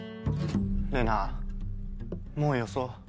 レナもうよそう。